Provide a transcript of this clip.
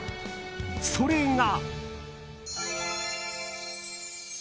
それが。